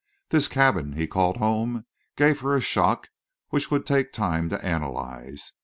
This cabin he called home gave her a shock which would take time to analyze.